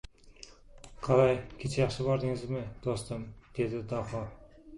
— Qalay, kecha yaxshi bordingizmi, do‘stim? — dedi Daho.